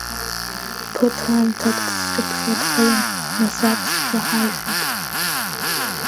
Ԥыҭраамҭак дысҿаԥшуа дгылан, нас аԥсшәа ҳаиҳәеит.